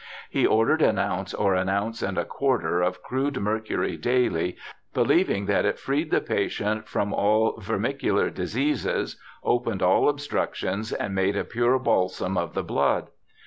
He ordered an ounce or an ounce and a quarter of crude mercury daily, believing that it freed the patient from all vermi cular diseases, opened all obstructions, and made a pure balsam of the blood.